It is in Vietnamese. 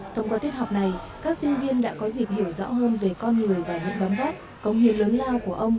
thông qua thiết học này các sinh viên đã có dịp hiểu rõ hơn về con người và những bóng góp công nghiệp lớn lao của ông